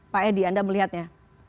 pak edy anda melihatnya